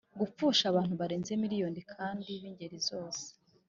Gupfusha abantu barenze miliyoni kandi b ingeri zose